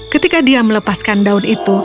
ketika dia melepaskan daun itu